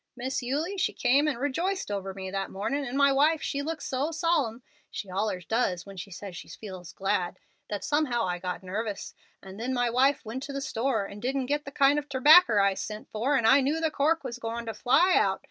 Miss Eulie, she came and rejoiced over me that mornin', and my wife she looked so solemn (she allers does when she says she feels glad) that somehow I got nervous, and then my wife went to the store and didn't get the kind of terbacker I sent for, and I knew the cork was going to fly out.